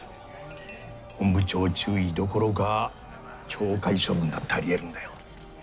本部長注意どころか懲戒処分だってありえるんだよ。